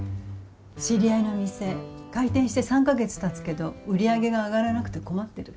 知り合いのお店開店して３か月たつけど売り上げが上がらなくて困ってる。